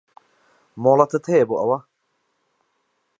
مۆڵەتت هەیە بۆ ئەوە؟